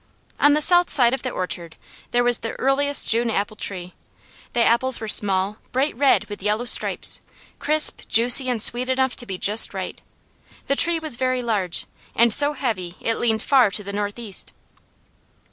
On the south side of the orchard there was the earliest June apple tree. The apples were small, bright red with yellow stripes, crisp, juicy and sweet enough to be just right. The tree was very large, and so heavy it leaned far to the northeast.